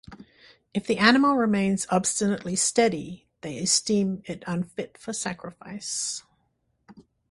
If the animal remains obstinately steady, they esteem it unfit for sacrifice.